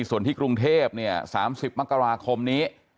ส่วนที่กรุงเทพฯ๓๑๐มกราคมนี้